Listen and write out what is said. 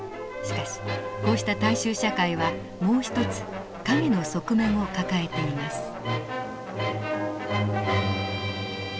しかしこうした大衆社会はもう一つ陰の側面を抱えています。